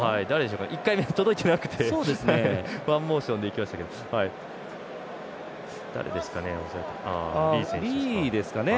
１回目、届いてなくてワンモーションでいきましたけど誰ですかね。